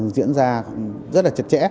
diễn ra rất là chật chẽ